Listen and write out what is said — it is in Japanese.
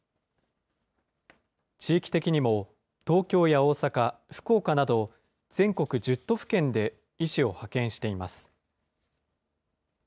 地域的にも東京や大阪、福岡など全国１０都府県で医師を派遣しています。